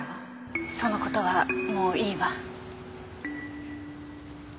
その事はもういいわ。